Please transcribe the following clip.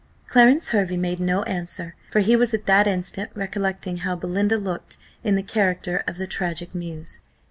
Clarence Hervey made no answer, for he was at that instant recollecting how Belinda looked in the character of the tragic muse.